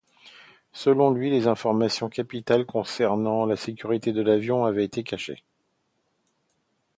Selon lui, des informations capitales concernant la sécurité de l'avion avaient été cachées.